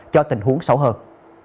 cho tình huống xấu hơn